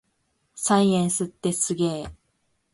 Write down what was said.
サイエンスってすげぇ